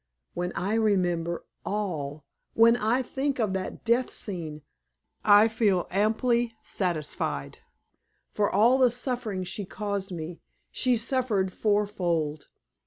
When I remember all when I think of that death scene I I feel amply satisfied. For all the suffering she caused me, she suffered fourfold.